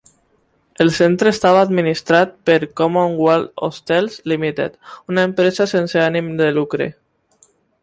El centre estava administrat per Commonwealth Hostels Limited, una empresa sense ànim de lucre.